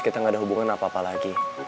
kita gak ada hubungan apa apa lagi